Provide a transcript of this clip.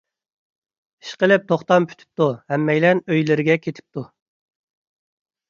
ئىشقىلىپ توختام پۈتۈپتۇ، ھەممەيلەن ئۆيلىرىگە كېتىپتۇ.